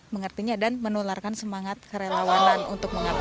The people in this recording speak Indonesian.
mengertinya dan menularkan semangat kerelawanan untuk mengatasi